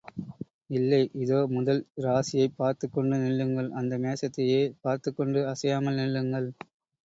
இல்லை, இதோ முதல் இராசியைப் பார்த்துக்கொண்டு நில்லுங்கள், அந்த மேஷத்தையே பார்த்துக் கொண்டு அசையாமல் நில்லுங்கள்.